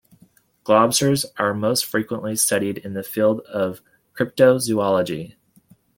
Globsters are most frequently studied in the field of cryptozoology.